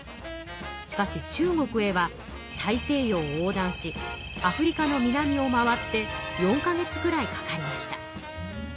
しかし中国へは大西洋を横断しアフリカの南を回って４か月くらいかかりました。